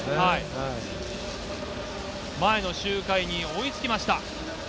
前の周回に追いつきました。